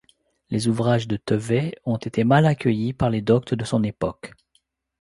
Les ouvrages de Thevet ont été mal accueillis par les doctes de son époque.